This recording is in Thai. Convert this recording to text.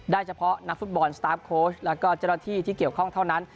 เฉพาะนักฟุตบอลสตาร์ฟโค้ชแล้วก็เจ้าหน้าที่ที่เกี่ยวข้องเท่านั้น